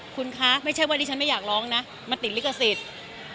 คุณคะไม่ใช่ว่าดิฉันไม่อยากร้องนะมันติดลิขสิทธิ์